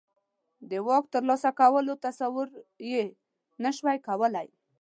د واک ترلاسه کولو تصور یې نه شوای کولای.